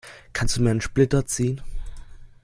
Kannst du mir einen Splitter ziehen?